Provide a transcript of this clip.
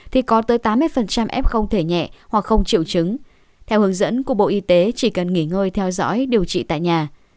thì có tới tám mươi em không thể nhẹ hoặc không triệu chứng theo hướng dẫn của bộ y tế chỉ cần nghỉ ngơi theo dõi điều trị tại nhà